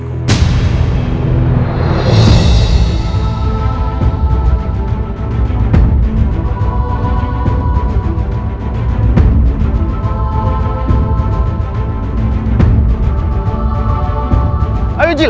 aku ingin mengucapkan